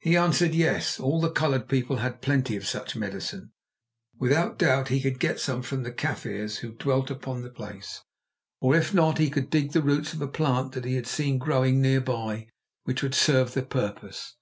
He answered, Yes; all the coloured people had plenty of such medicine. Without doubt he could get some from the Kaffirs who dwelt upon the place, or if not he could dig the roots of a plant that he had seen growing near by which would serve the purpose.